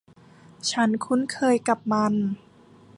ฉันคุ้นเคยกับมัน